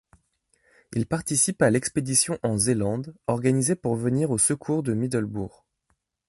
Il participe à l'expédition en Zélande organisée pour venir au secours de Middelbourg.